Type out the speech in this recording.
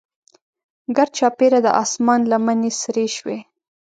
ګرچاپیره د اسمان لمنې سرې شوې.